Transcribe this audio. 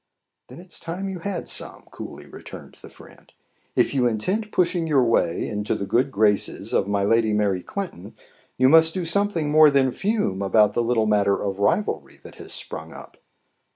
"Then it is time you had some," coolly returned the friend. "If you intend pushing your way into the good graces of my lady Mary Clinton, you must do something more than fume about the little matter of rivalry that has sprung up."